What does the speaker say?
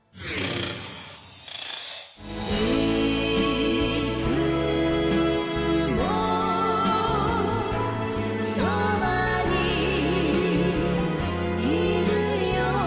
「いつもそばにいるよ」